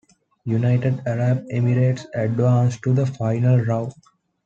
United Arab Emirates advanced to the Final Round.